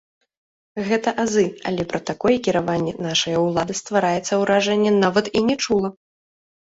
Гэта азы, але пра такое кіраванне нашая ўлада, ствараецца ўражанне, нават і не чула.